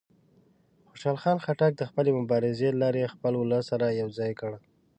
خوشحال خان خټک د خپلې مبارزې له لارې خپل ولس سره یو ځای کړ.